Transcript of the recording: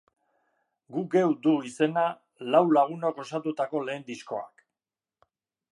Gu geu du izena lau lagunok osatutako lehen diskoak.